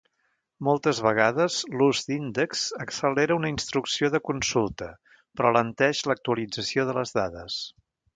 Moltes vegades, l'ús d'índexs accelera una instrucció de consulta, però alenteix l'actualització de les dades.